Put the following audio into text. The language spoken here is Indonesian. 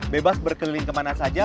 bebas berkeliling kemana saja